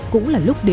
cũng là lúc đề nghị